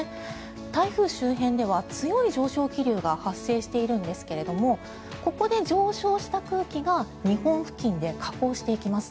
台風周辺では強い上昇気流が発生していますがここで上昇した空気が日本付近で下降していきます。